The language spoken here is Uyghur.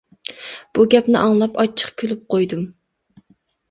بۇ گەپنى ئاڭلاپ ئاچچىق كۈلۈپ قۇيدۇم.